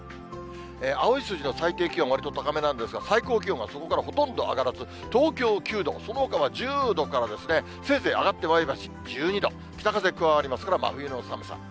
青い数字の最低気温、わりと高めなんですが、最高気温がそこからほとんど上がらず、東京９度、そのほかは１０度からせいぜい上がって前橋１２度、北風加わりますから、真冬の寒さ。